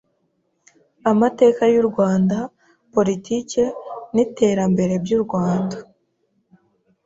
Amateka y’u Rwanda; Politike n’iterambere by’u Rwanda;